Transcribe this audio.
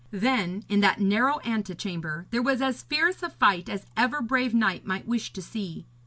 Then in that narrow antechamber there was as fierce a fight as ever brave knight might wish to see.